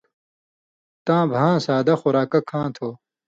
تَاں بھاں سادہ خوراکہ کھاں تھو۔